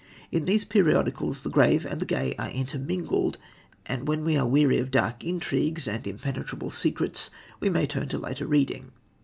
In these periodicals the grave and the gay are intermingled, and when we are weary of dark intrigues and impenetrable secrets we may turn to lighter reading.